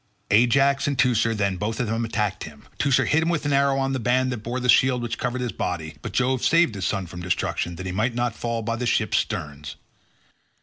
Ajax and Teucer then both of them attacked him. Teucer hit him with an arrow on the band that bore the shield which covered his body, but Jove saved his son from destruction that he might not fall by the ships' sterns.